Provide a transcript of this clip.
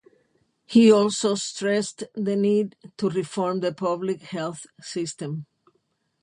He also stressed the need to reform the public health system.